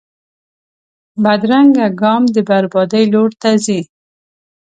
بدرنګه ګام د بربادۍ لور ته ځي